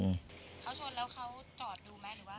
เขาชนแล้วเขาจอดดูไหมหรือว่า